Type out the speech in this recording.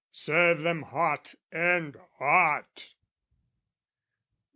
Serve them hot and hot!